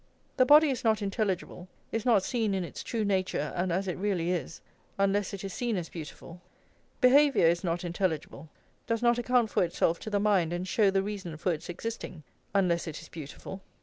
The body is not intelligible, is not seen in its true nature and as it really is, unless it is seen as beautiful; behaviour is not intelligible, does not account for itself to the mind and show the reason for its existing, unless it is beautiful.